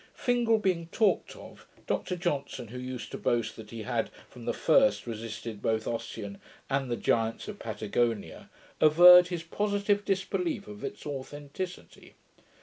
Fingal being talked of, Dr Johnson, who used to boast that he had, from the first, resisted both Ossian and the giants of Patagonia, averred his positive disbelief of its authenticity.